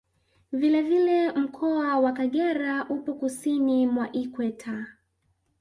Vile vile Mkoa wa Kagera upo Kusini mwa Ikweta